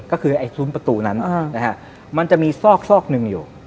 ก็คือไอ้ซุ้มประตูนั้นนะฮะมันจะมีซอกซอกหนึ่งอยู่